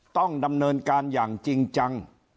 ต้องดำเนินการอย่างจริงจัง